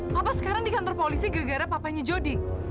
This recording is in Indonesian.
papa sekarang di kantor polisi gara gara papanya jody